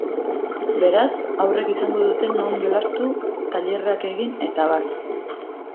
Beraz, haurrek izango dute non jolastu, tailerrak egin eta abar.